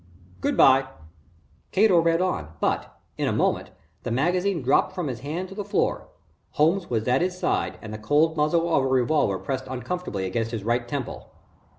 Good bye." Cato read on, but, in a moment, the magazine dropped from his hand to the floor. Holmes was at his side and the cold muzzle of a revolver pressed uncomfortably against his right temple.